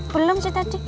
belum sih tati